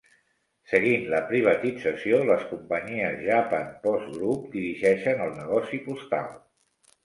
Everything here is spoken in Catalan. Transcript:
Seguint la privatització, les companyies Japan Post Group dirigeixen el negoci postal.